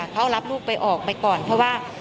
เขารับลูกไปออกไปก่อนเพราะว่า